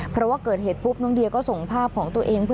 เพราะว่าเกิดเหตุปุ๊บน้องเดียก็ส่งภาพของตัวเอง